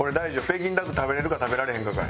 北京ダック食べれるか食べられへんか。